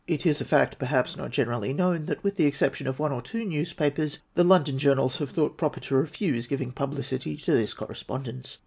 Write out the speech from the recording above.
It is a fact, perhaps not generally known, that, with the exception of one or two newspapers, the London journals have thought proper to refuse giving publicity to this correspondence.